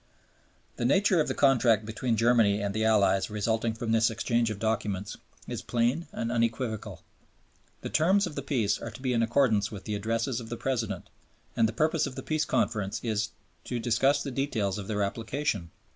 " The nature of the Contract between Germany and the Allies resulting from this exchange of documents is plain and unequivocal. The terms of the peace are to be in accordance with the Addresses of the President, and the purpose of the Peace Conference is "to discuss the details of their application."